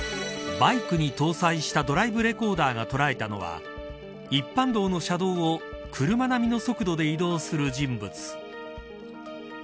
バイクに搭載したドライブレコーダーが捉えたのは一般道の車道を車並みの速度で移動する人物。